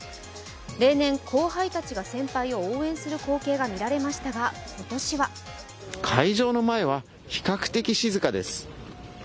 例年、後輩たちが先輩を応援する光景が見られましたが今年は会場の前は比較的静かです。